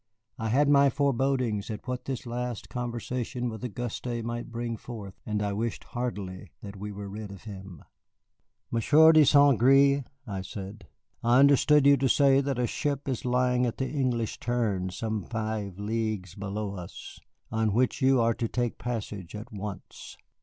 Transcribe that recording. I had my forebodings at what this last conversation with Auguste might bring forth, and I wished heartily that we were rid of him. "Monsieur de St. Gré," I said, "I understood you to say that a ship is lying at the English Turn some five leagues below us, on which you are to take passage at once."